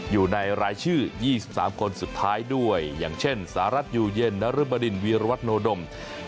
อยู่ในรายชื่อ๒๓คนสุดท้ายด้วยอย่างเช่นสหรัฐอยู่เย็นนรบดินวีรวัตโนดม